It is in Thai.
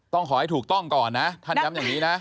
ขอให้ถูกต้องก่อนนะท่านย้ำอย่างนี้นะ